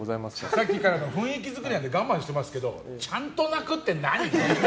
さっきから雰囲気づくりで我慢していますけどちゃんと泣くって何？